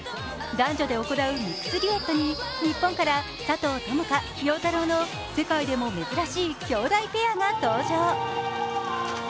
男女で行うミックスデュエットに日本から佐藤友花・陽太郎の世界でも珍しいきょうだいペアが登場。